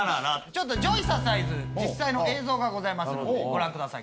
ちょっと『ジョイササイズ』実際の映像がございますのでご覧ください。